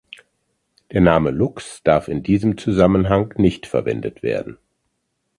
Der Name „Lux“ darf in diesem Zusammenhang nicht verwendet werden.